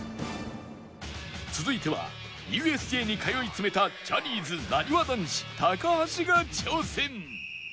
続いては ＵＳＪ に通い詰めたジャニーズなにわ男子高橋が挑戦